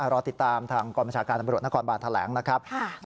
รอติดตามทางกรมชาการตำรวจนครบานแถลงนะครับ